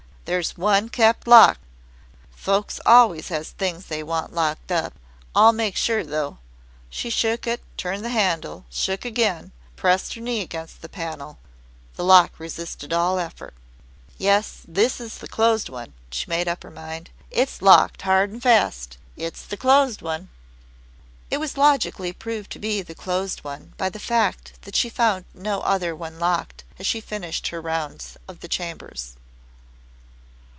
There's one kept locked. Folks always has things they want locked up. I'll make sure, though." She shook it, turned the handle, shook again, pressed her knee against the panel. The lock resisted all effort. "Yes, this is the closed one," she made up her mind. "It's locked hard and fast. It's the closed one." It was logically proved to be the closed one by the fact that she found no other one locked as she finished her round of the chambers.